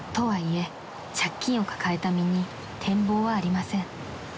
借金を抱えた身に展望はありません］